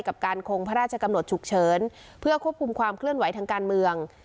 กับการคงพระราชกำหนดฉุกเฉินเพื่อควบคุมความเคลื่อนไหวทางการเมือง